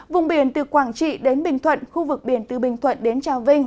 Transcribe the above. vùng biển từ quảng trị đến bình thuận khu vực biển từ bình thuận đến trà vinh